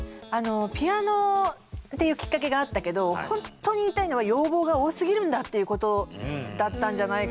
ピアノっていうきっかけがあったけどほんとに言いたいのは要望が多すぎるんだっていうことだったんじゃないかなって。